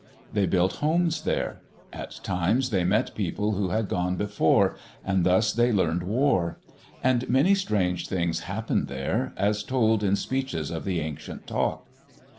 They built homes there. At times they met people who had gone before, and thus they learned war. And many strange things happened there, as told in speeches of the ancient talk.